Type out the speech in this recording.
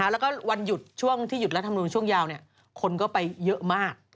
แล้วก็วันหยุดช่วงที่หยุดรัฐมนุนช่วงยาวคนก็ไปเยอะมาก